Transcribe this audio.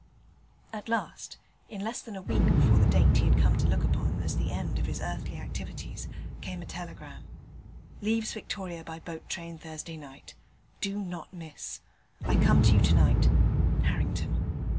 At last, in less than a week before the date he had come to look upon as the end of his earthly activities, came a telegram: 'Leaves Victoria by boat train Thursday night. Do not miss. I come to you to night. Harrington.'